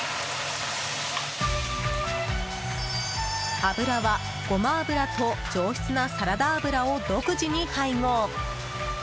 油は、ゴマ油と上質なサラダ油を独自に配合。